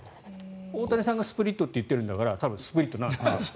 大谷さんがスプリットって言っているんだからスプリットなんでしょう。